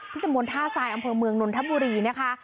ตำบลท่าทรายอำเภอเมืองนนทบุรีนะคะ